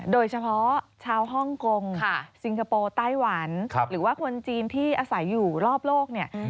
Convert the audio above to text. โดยเฉพาะชาวฮ่องกงซิงคโปร์ไต้หวันหรือว่าคนจีนที่อาศัยอยู่รอบโลกเนี่ย